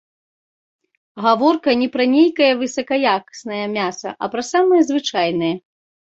Гаворка не пра нейкае высакаякаснае мяса, а пра самае звычайнае.